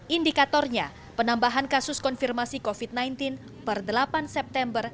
indikatornya penambahan kasus konfirmasi covid sembilan belas per delapan september